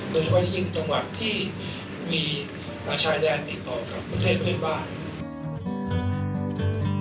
โดยว่ายิ่งจังหวัดที่มีอาชายแดนติดต่อกับประเทศด้วยบ้าง